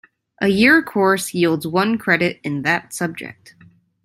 A year course yields one credit in that subject.